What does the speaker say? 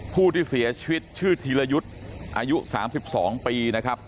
ผู้ที่เสียชีวิตชื่อธีรยุทธ์อายุ๓๒ปีนะครับ